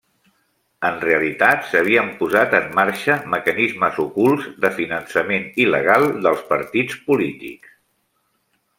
En realitat, s'havien posat en marxa mecanismes ocults de finançament il·legal dels partits polítics.